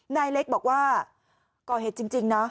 นายเล็กบอกว่าก่อเหตุจริงนะ